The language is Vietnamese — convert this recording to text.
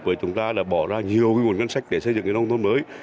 thì chúng ta đã bỏ ra nhiều cái nguồn ngân sách để xây dựng cái nông thôn mới